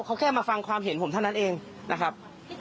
เขาแค่มาฟังความเห็นผมเท่านั้นเองนะครับ